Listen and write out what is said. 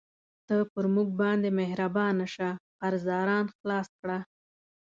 ته پر موږ باندې مهربانه شه، قرضداران خلاص کړه.